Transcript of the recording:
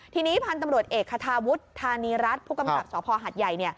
ทีนี้พันธุ์ตำรวจเอกคาทาวุฒิธานีรัฐผู้กำกับสภหัดใหญ่